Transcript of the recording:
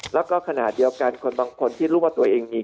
แล้วก็ขณะเดียวกันคนบางคนที่รู้ว่าตัวเองมี